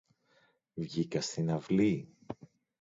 Βγήκα στην αυλή